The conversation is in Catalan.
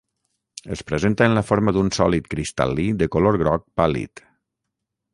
Es presenta en la forma d'un sòlid cristal·lí de color groc pàl·lid.